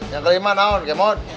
yang kelima nahun kemot